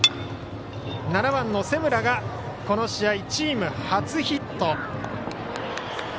７番の瀬村がこの試合チーム初ヒット。